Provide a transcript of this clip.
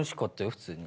普通に。